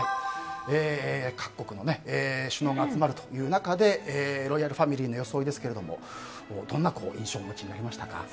各国の首脳が集まるという中でロイヤルファミリーの装いですけれどもどんな印象をお持ちになりましたか。